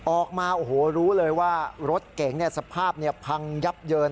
ออกมาโอ้โหรู้เลยว่ารถเก๋งสภาพพังยับเยิน